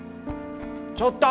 ちょっと！